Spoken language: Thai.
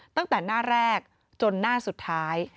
ตั้งแต่หน้าแรกจนหน้าสุดท้าย